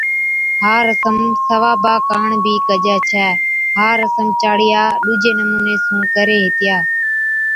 ھا رسم ثوابا ڪاڻ بِي ڪجَي ڇَي۔ ھا رسم چاڙِيا ڏُوجي نمُوني سُون ڪرھي ھِتيا